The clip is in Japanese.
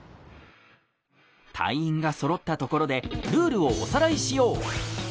隊員がそろったところでルールをおさらいしよう！